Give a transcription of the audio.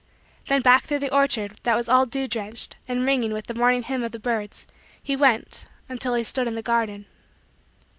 Then back through the orchard that was all dew drenched and ringing with the morning hymn of the birds, he went, until he stood in the garden.